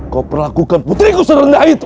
kau perlakukan putriku serendah itu